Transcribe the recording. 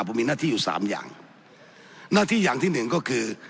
ผมมีหน้าที่อยู่สามอย่างหน้าที่อย่างที่หนึ่งก็คือ